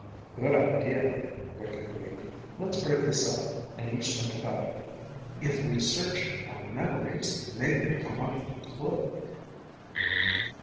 "Good idea," Rick agreed. "Let's break this up and each think about it. If we each search our memories, maybe we'll come up with a clue."